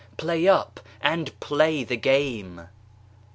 play up! and play the game!"